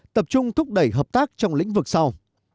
tập trung thúc đẩy hợp tác trong lĩnh vực sau